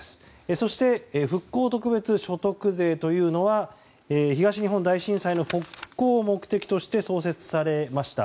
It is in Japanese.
そして復興特別所得税というのは東日本大震災の復興を目的として創設されました。